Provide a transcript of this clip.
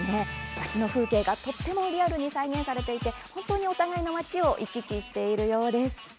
街の風景がとてもリアルに再現されていて本当にお互いの街を行き来しているようです。